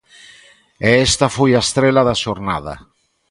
E esta foi a estrela da xornada.